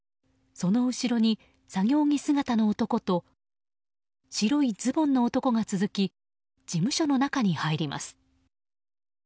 その後ろに、作業着姿の男と白いズボンの男が続き事務所の中に入ります。